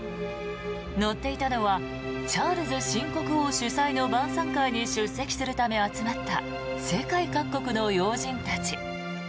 乗っていたのはチャールズ新国王主催の晩さん会に出席するため集まった世界各国の要人たち。